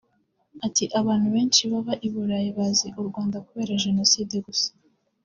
Ati “Abantu benshi baba i Burayi bazi u Rwanda kubera Jenoside gusa